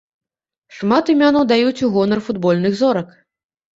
Шмат імёнаў даюць у гонар футбольных зорак.